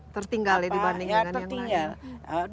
tertinggal dibandingkan yang lain